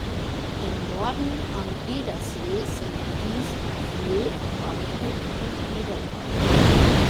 Im Norden am Edersee sind dies Vöhl, Waldeck und Edertal.